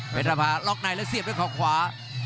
เป็นระภาลองในแล้วเสียบด้วยข่อขวา